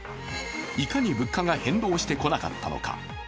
いかに物価が変動してこなかったのか。